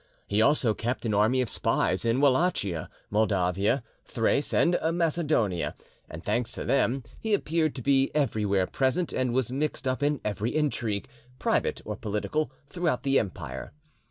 He also kept an army of spies in Wallachia, Moldavia, Thrace, and Macedonia, and, thanks to them, he appeared to be everywhere present, and was mixed up in every intrigue, private or political, throughout the empire.